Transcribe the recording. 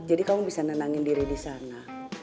jadi kamu bisa nenangin diri disana